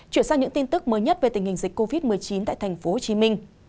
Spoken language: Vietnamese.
chuyển sang những tin tức mới nhất về tình hình dịch covid một mươi chín tại tp hcm